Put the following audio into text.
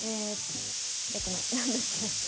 えごめん何だっけ？